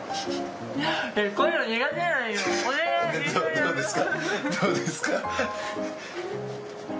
どうですか？